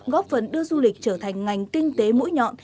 góp phần đưa du lịch trở thành ngành kinh tế mũi nhọn